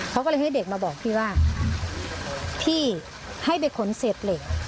เขาก็เลยให้เด็กมาบอกพี่ว่าพี่ให้ไปขนเศษเหล็ก